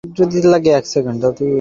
বাকি অর্ধেক আবু উসমানের সাথে রয়েছে।